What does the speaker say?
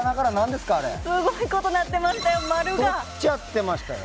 すごいことになってましたよ丸が。